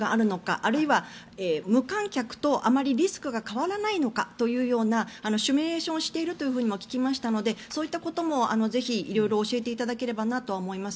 あるいは無観客とあまりリスクが変わらないのかというようなシミュレーションをしていると聞きましたのでそういったこともぜひ色々教えていただければなと思います。